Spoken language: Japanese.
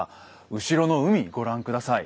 後ろの海ご覧下さい。